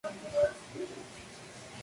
En la localidad hay una unidad carcelaria.